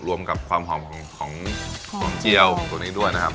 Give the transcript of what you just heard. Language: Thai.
รวมกับความหอมของเจียวตัวนี้ด้วยนะครับ